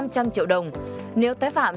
năm trăm linh triệu đồng nếu tái phạm